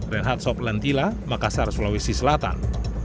renhat sob lentila makassar sulawesi selatan